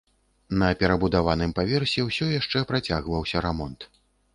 На перабудаваным паверсе ўсё яшчэ працягваўся рамонт.